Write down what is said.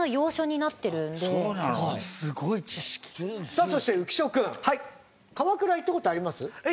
さあそして浮所君行った事あります。